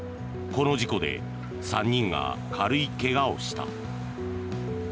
この事故で３人が軽い怪我をした。